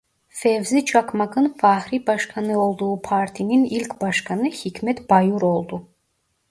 Fevzi Çakmak'ın fahri başkanı olduğu partinin ilk başkanı Hikmet Bayur oldu.